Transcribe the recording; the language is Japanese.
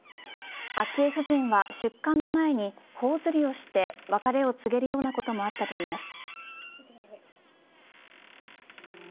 昭恵夫人は出棺の前に頬ずりをして別れを告げるようなこともあったといいます。